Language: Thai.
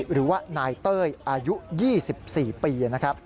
หรือว่านายเต้ยอายุ๒๔ปี